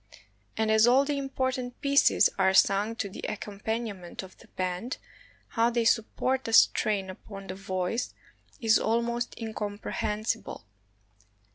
And as all the important pieces are sung to the accompaniment of the band, how they support the strain upon the voice is almost incomprehensible.